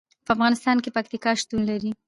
په افغانستان کې پکتیکا شتون لري.